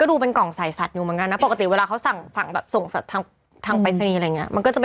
อุ๊ก่อนงั้นเสร็จ